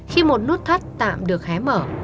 khi một nút thắt tạm được hé mở